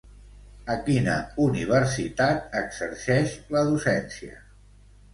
A quina universitat exerceix la docència?